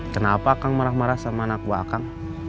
kenapa kang marah marah sama anak buah akan